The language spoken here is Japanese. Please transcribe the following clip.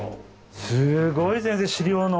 すごい先生資料の。